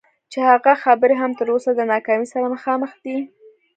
چې هغه خبرې هم تر اوسه د ناکامۍ سره مخامخ دي.